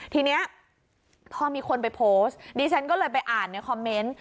ทีนี้พอมีคนไปโพสต์ดิฉันก็เลยไปอ่านในคอมเมนต์